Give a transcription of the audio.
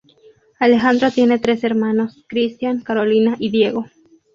Alejandro tiene tres hermanos: Christian, Carolina y Diego.